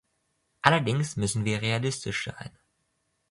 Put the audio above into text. Allerdings müssen wir realistisch sein.